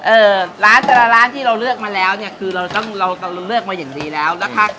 เอ่อร้านแต่ละร้านที่เราเลือกมาแล้วเนี่ยคือเราต้องเราเราเลือกมาอย่างดีแล้วนะคะ